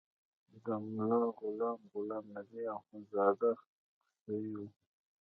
د ملا غلام غلام نبي اخندزاده کوسی و.